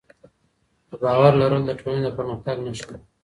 د باور لرل د ټولنې د پرمختګ نښه ده.